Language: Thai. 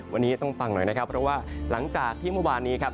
วันนี้ต้องฟังหน่อยนะครับเพราะว่าหลังจากที่เมื่อวานนี้ครับ